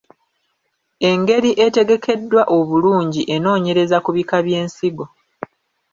Engeri etegekeddwa obulungi enoonyereza ku bika by’ensigo.